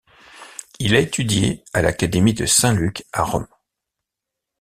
Il a étudié à l'Académie de Saint-Luc à Rome.